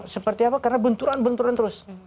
seperti apa karena benturan benturan terus